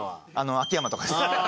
秋山とかです。